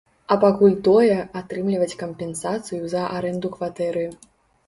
А пакуль тое, атрымліваць кампенсацыю за арэнду кватэры.